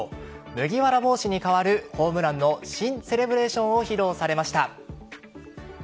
麦わら帽子に代わるホームランの新セレブレーションも披露されました。